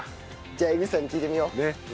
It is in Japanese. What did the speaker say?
じゃあ江口さんに聞いてみよう。